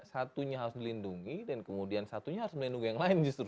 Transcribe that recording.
satunya harus dilindungi dan kemudian satunya harus melindungi yang lain justru